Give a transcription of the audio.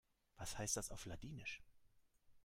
Was heißt das auf Ladinisch?